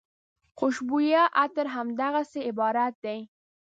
خوشبویه عطر همدغسې عبارت دی.